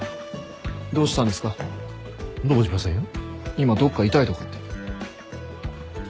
今どっか痛いとかって。